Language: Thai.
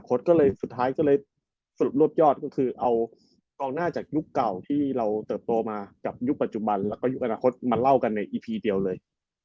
ก็เลยสุดท้ายก็เลยสรุปรวบยอดก็คือเอากองหน้าจากยุคเก่าที่เราเติบโตมากับยุคปัจจุบันแล้วก็ยุคอนาคตมาเล่ากันในอีพีเดียวเลย